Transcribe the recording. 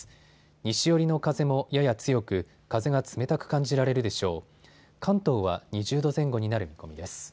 西寄りの風もやや強く風が冷たく感じられるでしょう。